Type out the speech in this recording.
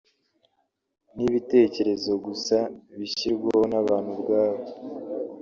ni ibitekerezo gusa bishyirwaho n’abantu ubwabo